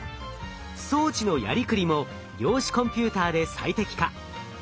装置のやりくりも量子コンピューターで最適化。